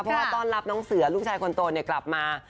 เพราะว่าต้อนรับน้องเสือลูกชายคนโตกลับมา